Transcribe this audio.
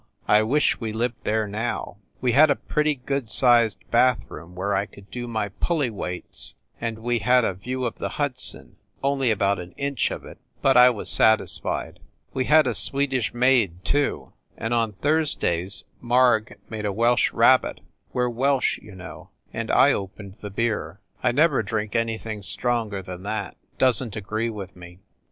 I wish we lived there now ! We had a pretty good sized bath room where I could do my pulley weights, and we had a view of the Hudson only about one inch of it, but I was satisfied. We had a Swedish maid, too, and on Thursdays Marg made a Welsh rabbit, we re Welsh, you know, and I opened the beer. I never drink anything stronger than that Doesn t agree with me.